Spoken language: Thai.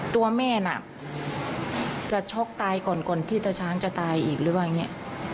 ตัวแม่น่ะจะช็อกตายก่อนก่อนที่ตาช้างจะตายอีกหรือว่าอย่างนี้